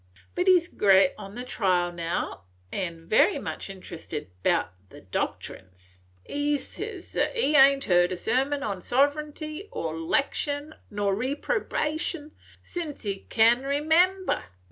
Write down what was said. But he 's gret on the trial now, an' very much interested 'bout the doctrines. He ses thet he had n't heard a sermon on sovereignty or 'lection, or reprobation, sence he can remember.